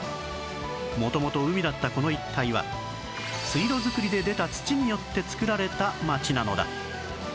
元々海だったこの一体は水路造りで出た土によってつくられたまちなのだ